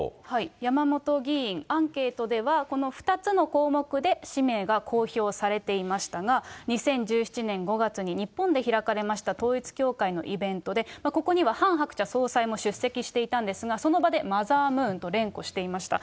山本議員、アンケートではこの２つの項目で氏名が公表されていましたが、２０１７年５月に日本で開かれました統一教会のイベントで、ここにはハン・ハクチャ総裁も出席していたんですが、その場でマザームーンと連呼していました。